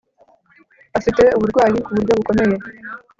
afite uburwayi ku buryo bukomeye.